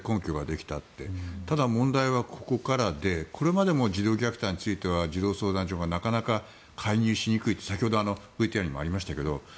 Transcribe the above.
ただ、問題はここからでこれまでも児童虐待については児童相談所がなかなか介入しにくいと先ほどＶＴＲにもありましたが。